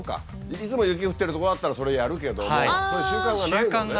いつも雪降ってるとこだったらそれやるけどもそういう習慣がないのね。